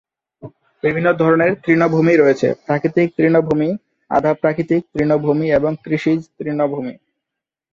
বিভিন্ন ধরনের তৃণভূমি রয়েছে: প্রাকৃতিক তৃণভূমি, আধা-প্রাকৃতিক তৃণভূমি এবং কৃষিজ তৃণভূমি।